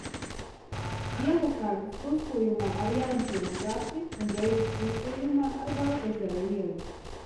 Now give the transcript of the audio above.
Iela sākas krustojumā ar Jaunciema gatvi un beidzas krustojumā ar Baltezera ielu.